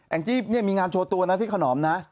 แองจี่เนี่ยมีงามไมดีจาตัวที่ขนอมนะ